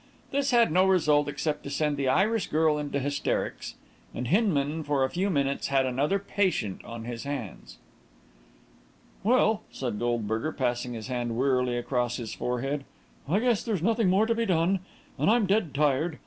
This had no result except to send the Irish girl into hysterics, and Hinman for a few minutes had another patient on his hands. "Well," said Goldberger, passing his hand wearily across his forehead, "I guess there's nothing more to be done. And I'm dead tired.